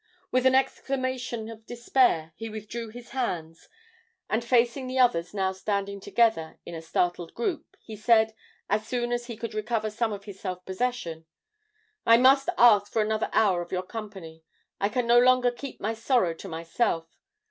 With an exclamation of despair, he withdrew his hands, and facing the others now standing together in a startled group, he said, as soon as he could recover some of his self possession: "I must ask for another hour of your company. I can no longer keep my sorrow to myself.